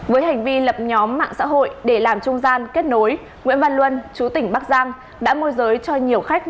với hành vi lập nhóm mạng xã hội để làm trung gian kết nối nguyễn văn luân chú tỉnh bắc giang đã môi giới cho nhiều khách